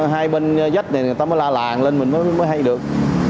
hai bên dắt này người ta mới la làng lên mình mới hay được